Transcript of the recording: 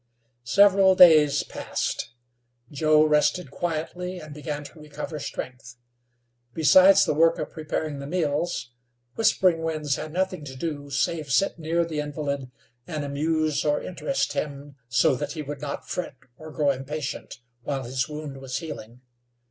Several days passed. Joe rested quietly, and began to recover strength. Besides the work of preparing their meals, Whispering Winds had nothing to do save sit near the invalid and amuse or interest him so that he would not fret or grow impatient, while his wound was healing.